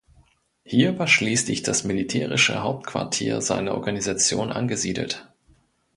Hier war schließlich das militärische Hauptquartier seiner Organisation angesiedelt.